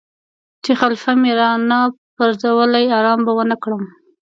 چې خلیفه مې را نه پرزولی آرام به ونه کړم.